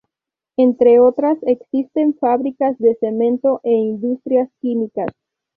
Entre otras existen fábricas de cemento e industrias químicas.